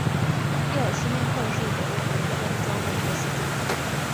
蒂尔施内克是德国图林根州的一个市镇。